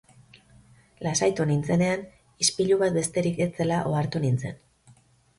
Lasaitu nintzenean, ispilu bat besterik ez zela ohartu nintzen.